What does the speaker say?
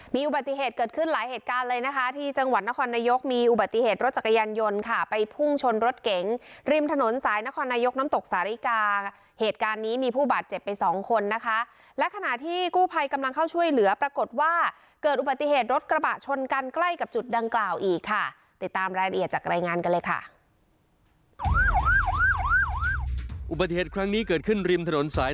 มีอุบัติเหตุเกิดขึ้นหลายเหตุการณ์เลยนะคะที่จังหวัดนครนายกมีอุบัติเหตุรถจักรยานยนต์ค่ะไปพุ่งชนรถเก๋งริมถนนสายนครนายกน้ำตกสาฬิกาเหตุการณ์นี้มีผู้บาดเจ็บไปสองคนนะคะและขณะที่กู้ภัยกำลังเข้าช่วยเหลือปรากฏว่าเกิดอุบัติเหตุรถกระบะชนกันใกล้กับจุดดังกล่าวอีกค่ะติดตามรายละเอียดจากรายงานกันเลยค่ะ